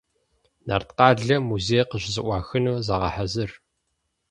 Нарткъалъэ музей къыщызэӏуахыну загъэхьэзыр.